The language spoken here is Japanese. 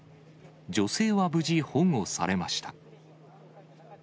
女性は無事、保護されました。